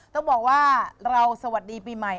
ต้องบอกว่าเราสวัสดีปีใหม่